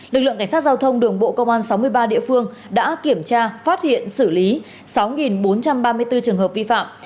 lực lượng cảnh sát giao thông đường bộ công an sáu mươi ba địa phương đã kiểm tra phát hiện xử lý sáu bốn trăm ba mươi bốn trường hợp vi phạm